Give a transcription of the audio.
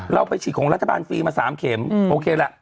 เราไปฉีดของรัฐบาลฟรีมา๓เข็มโอเคแหละ